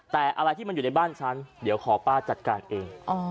แต่อะไรที่มันอยู่ในบ้านฉันเดี๋ยวขอป้าจัดการเอง